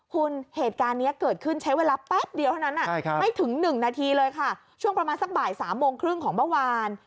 คุณเหตุการณ์นี้เกิดขึ้นใช้เวลาแป๊บเดียวเท่านั้นไม่ถึง๑นาทีเลยค่ะช่วงประมาณสักบ่าย๓โมงครึ่งของเมื่อวาน